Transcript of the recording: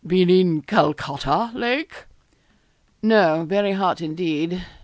'Been in Calcutta, Lake?' 'No; very hot, indeed.